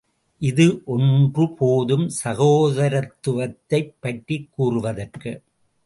இது ஒன்று போதும் சகோதரத்துவத்தைப் பற்றிக் கூறுவதற்கு.